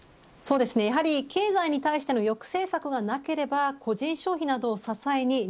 やはり経済に対しての抑制策がなければ個人消費などを支えに